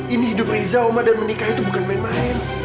ini hidup riza oma dan menikah itu bukan main main